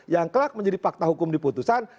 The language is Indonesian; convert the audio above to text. yang kelak menjadi fakta hukum di putusan